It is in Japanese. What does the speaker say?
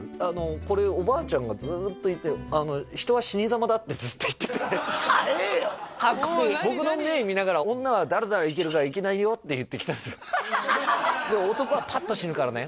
これおばあちゃんがずっと言って「人は死にざまだ」ってずっと言っててかっこいい僕の目見ながら「女はだらだら生きるからいけないよ」って言ってきたりする「男はパッと死ぬからね」